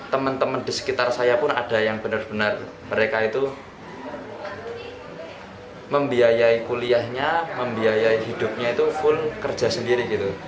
teman teman di sekitar saya pun ada yang benar benar mereka itu membiayai kuliahnya membiayai hidupnya itu full kerja sendiri gitu